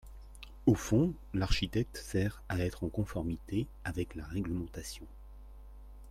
Au fond, l’architecte sert à être en conformité avec la réglementation.